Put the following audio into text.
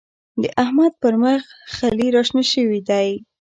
د احمد پر مخ خلي راشنه شوي دی.